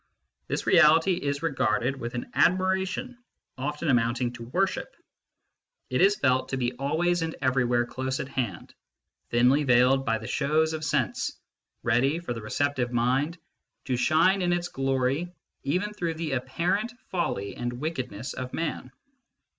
This Reality is regarded with an admiration often amounting to worship ; it is io MYSTICISM AND LOGIC felt to be always and everywhere close at hand, thinly veiled by the shows of sense, ready, for the receptive mind, to shine in its glory even through the apparent folly and wickedness of Man.